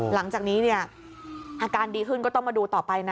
หลังจากนี้เนี่ยอาการดีขึ้นก็ต้องมาดูต่อไปนะ